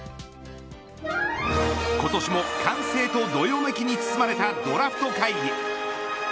今年も歓声とどよめきに包まれたドラフト会議。